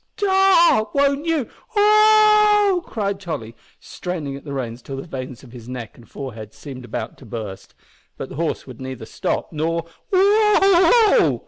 "Stop! won't you? Wo o o!" cried Tolly, straining at the reins till the veins of his neck and forehead seemed about to burst. But the horse would neither "stop" nor "wo o o!"